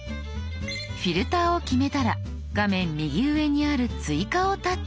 フィルターを決めたら画面右上にある「追加」をタッチ。